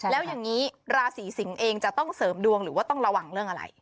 แล้วอย่างนี้ราศีสิงศ์เองจะต้องเสริมดวงหรือว่าต้องระวังเรื่องอะไร